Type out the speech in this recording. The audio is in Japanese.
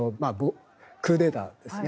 クーデターですね。